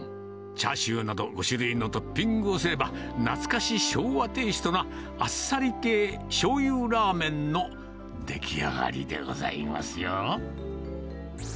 チャーシューなど５種類のトッピングをすれば、懐かし昭和テイストなあっさり系しょうゆラーメンの出来上がりでございますよ。